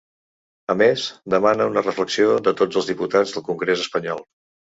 A més, demana una reflexió de tots els diputats del congrés espanyol.